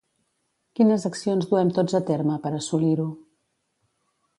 Quines accions duem tots a terme per assolir-ho?